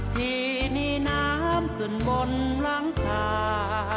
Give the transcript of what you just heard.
ที่มีน้ำขึ้นบนหลังคา